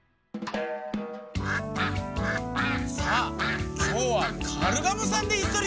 さあきょうはカルガモさんでいすとりゲームだ。